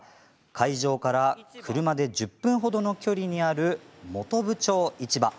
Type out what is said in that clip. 会場から車で１０分ほどの距離にある本部町市場。